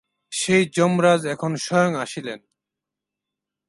সেই যমরাজ এখন স্বয়ং আসিলেন।